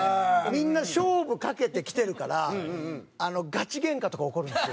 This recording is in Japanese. みんな勝負かけて来てるからガチゲンカとか起こるんですよ。